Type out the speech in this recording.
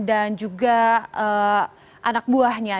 dan juga anak buahnya